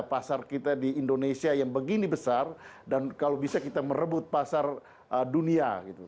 pasar kita di indonesia yang begini besar dan kalau bisa kita merebut pasar dunia gitu